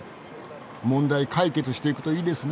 問題解決していくといいですね。